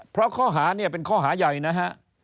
เพราะข้อหาเนี่ยเป็นข้อหาใหญ่นะฮะ